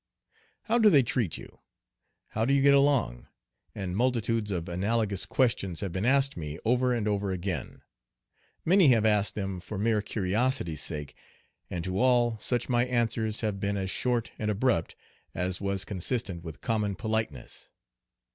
"How do they treat you?" "How do you get along?" and multitudes of analogous questions have been asked me over and over again. Many have asked them for mere curiosity's sake, and to all such my answers have been as short and abrupt as was consistent with common politeness.